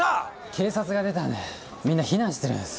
警察が出たんでみんな避難してるんです。